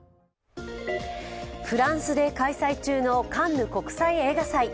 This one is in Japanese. フランスで開催中のカンヌ国際映画祭。